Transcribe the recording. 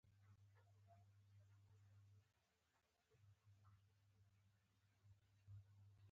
په ویټامین C غني مېوې د معافیت سیستم قوي کوي.